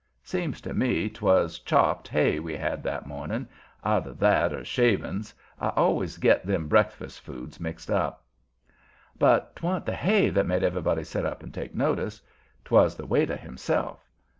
Seems to me 'twas chopped hay we had that morning either that or shavings; I always get them breakfast foods mixed up. But 'twa'n't the hay that made everybody set up and take notice. 'Twas the waiter himself.